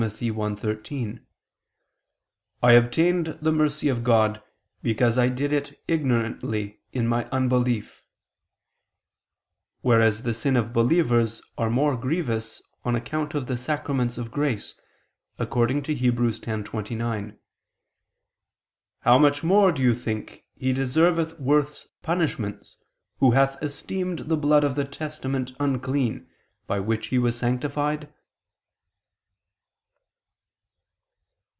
1:13: "I obtained the mercy of God, because I did it ignorantly in my unbelief": whereas the sins of believers are more grievous on account of the sacraments of grace, according to Heb. 10:29: "How much more, do you think, he deserveth worse punishments ... who hath esteemed the blood of the testament unclean, by which he was sanctified?"